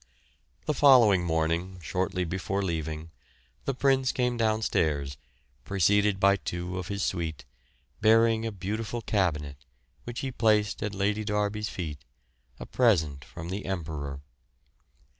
The following morning, shortly before leaving, the Prince came downstairs, preceded by two of his suite, bearing a beautiful cabinet, which he placed at Lady Derby's feet, a present from the Emperor.